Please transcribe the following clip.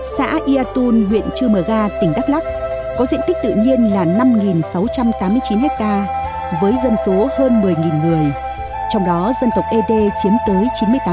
xã iatun huyện chư mờ ga tỉnh đắk lắc có diện tích tự nhiên là năm sáu trăm tám mươi chín ha với dân số hơn một mươi người trong đó dân tộc ế đê chiếm tới chín mươi tám